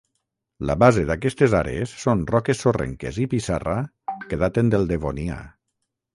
La base d'aquestes àrees són roques sorrenques i pissarra que daten del Devonià.